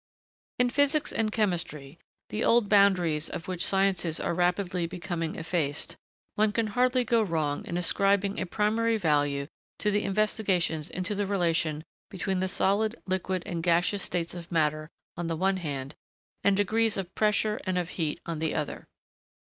] In physics and chemistry, the old boundaries of which sciences are rapidly becoming effaced, one can hardly go wrong in ascribing a primary value to the investigations into the relation between the solid, liquid, and gaseous states of matter on the one hand, and degrees of pressure and of heat on the other.